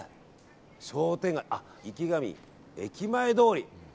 商店街、池上駅前通り。